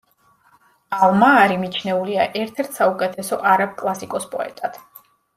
ალ-მაარი მიჩნეულია ერთ-ერთ საუკეთესო არაბ კლასიკოს პოეტად.